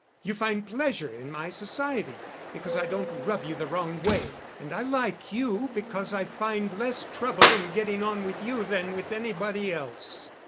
You find pleasure in my society because I don't rub you the wrong way, and I like you because I find less trouble in getting on with you than with anybody else."